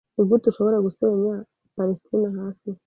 Nigute ushobora gusenya Palesitina hasi